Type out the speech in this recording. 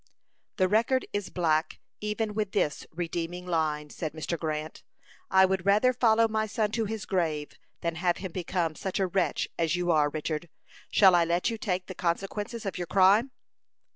"The record is black even with this redeeming line," said Mr. Grant. "I would rather follow my son to his grave than have him become such a wretch as you are, Richard. Shall I let you take the consequences of your crime?"